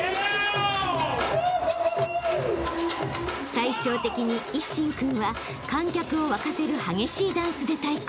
［対照的に一心君は観客を沸かせる激しいダンスで対抗］